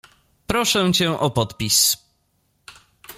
— Proszę cię o podpis.